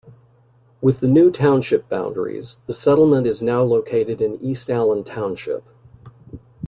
With the new township boundaries, the settlement is now located in East Allen Twp.